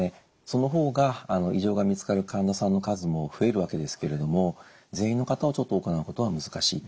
その方が異常が見つかる患者さんの数も増えるわけですけれども全員の方をちょっと行うことは難しい。